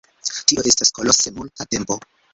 Tio estas kolose multa tempo.